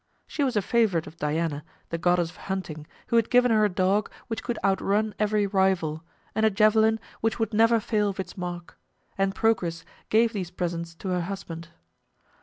She was a favorite of Diana, the goddess of hunting, who had given her a dog which could outrun every rival, and a javelin which would never fail of its mark; and Procris gave these presents to her husband.